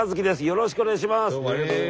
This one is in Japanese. よろしくお願いします！